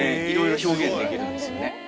いろいろ表現できるんですよね。